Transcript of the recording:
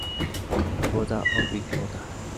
Botha O Pik Botha.